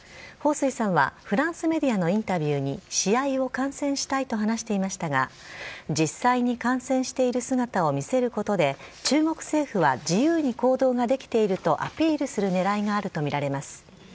彭帥さんはフランスメディアのインタビューに試合を観戦したいと話していましたが、実際に観戦している姿を見せることで、中国政府は自由に行動ができているとアピールするねらいがあると見られます。